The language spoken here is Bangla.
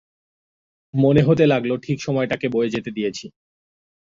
মনে হতে লাগল ঠিক সময়টাকে বয়ে যেতে দিয়েছি।